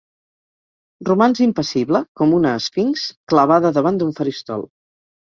Romans impassible com una esfinx clavada davant d'un faristol.